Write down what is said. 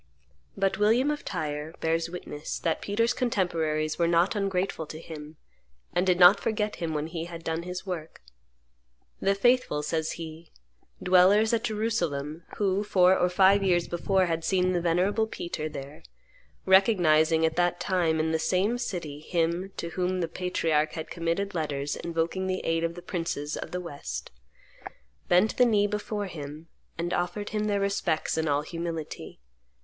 But William of Tyre bears witness that Peter's contemporaries were not ungrateful to him, and did not forget him when he had done his work. "The faithful," says he, "dwellers at Jerusalem, who, four or five years before had seen the venerable Peter there, recognizing at that time in the same city him to whom the patriarch had committed letters invoking the aid of the princes of the West, bent the knee before him, and offered him their respects in all humility.